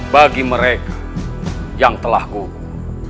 bagi mereka yang telah gugum